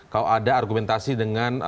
kalau ada argumentasi dengan